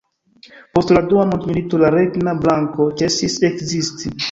Post la dua mondmilito la Regna Banko ĉesis ekzisti.